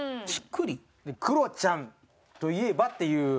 クロちゃんといえばっていう。